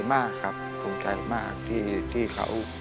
หลอกตัวเองใช่มั้ย